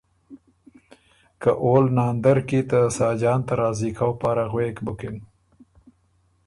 که اول ناندر کی ته ساجان ته راضی کؤ پاره غوېک بُکِن۔